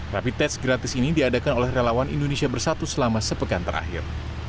rapid test gratis ini diadakan oleh relawan indonesia bersatu selama sepekan terakhir